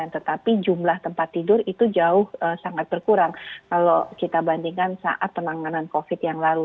tetapi jumlah tempat tidur itu jauh sangat berkurang kalau kita bandingkan saat penanganan covid yang lalu